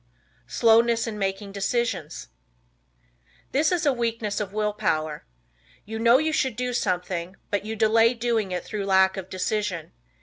Slowness in Making Decisions. This is a weakness of Will Power. You know you should do something, but you delay doing it through lack of decision.